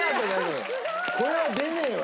これは出ねえわ。